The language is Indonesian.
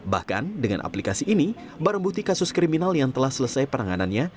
bahkan dengan aplikasi ini barang bukti kasus kriminal yang telah selesai penanganannya